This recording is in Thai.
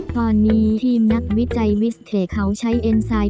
ตอนนี้ทีมนักวิจัยวิสเทเขาใช้เอ็นไซด์